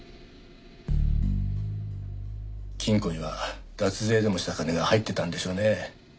金庫には脱税でもした金が入ってたんでしょうね。